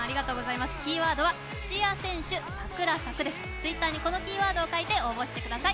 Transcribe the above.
Ｔｗｉｔｔｅｒにこのキーワードを書いて応募してください。